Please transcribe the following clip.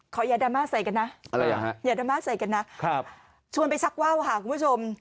ขอแยะดำม่าใส่กันนะนะครับชวนไปชักว่าวค่ะคุณผู้ชม